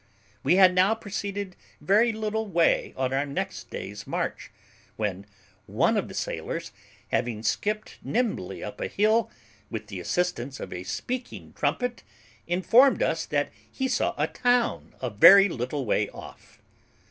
"We had now proceeded very little way on our next day's march when one of the sailors, having skipt nimbly up a hill, with the assistance of a speaking trumpet informed us that he saw a town a very little way off.